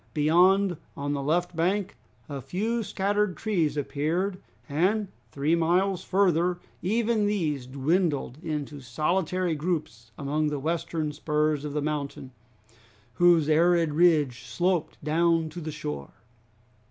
Beyond, on the left bank, a few scattered trees appeared, and three miles further even these dwindled into solitary groups among the western spurs of the mountain, whose arid ridge sloped down to the shore.